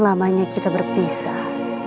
lamanya kita berpisah